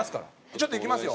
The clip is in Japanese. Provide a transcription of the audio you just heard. ちょっといきますよ。